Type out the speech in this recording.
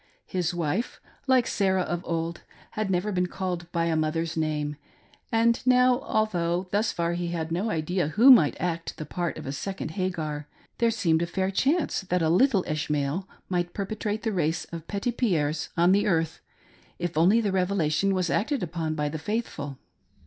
His wife, like Sarah of old, had never been called by a mother's name ; and now although, thus far, he had no idea who might act the part of a second Hagar, there seemed a fair chance that a little Ishmael might perpetuate the race of Petitpierres on earth, if only the Revelation was acted upon by the faithful.